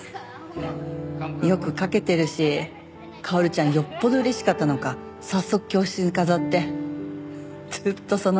よく描けてるし薫ちゃんよっぽど嬉しかったのか早速教室に飾ってずっとそのまま。